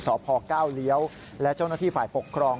สพเก้าเลี้ยวและเจ้าหน้าที่ฝ่ายปกครอง